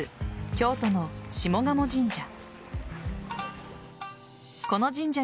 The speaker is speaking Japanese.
京都の下鴨神社。